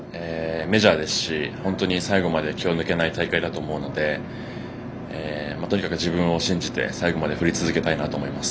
メジャーですし本当に最後まで気が抜けない大会だと思うのでとにかく自分を信じて最後まで振り続けたいと思います。